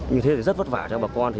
như thế thì rất vất vả cho bà con